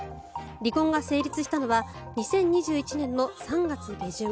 離婚が成立したのは２０２１年の３月下旬。